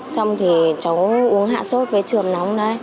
xong thì cháu uống hạ sốt với trường nóng đấy